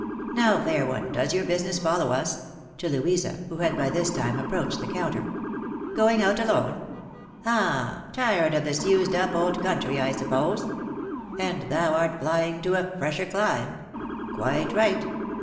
' Now, fair one, does your business follow us ?'" to Louisa, who had by this time approached the counter. " Going out alone ? Ah, tired of this used up old country, I suppose. ' and thou art flying to a fresher clime.' Quite right.